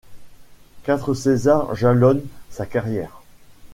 Quatre César jalonnent sa carrière.